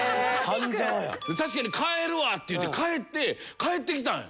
確かに「帰るわ！」って言って帰って帰ってきたんよ。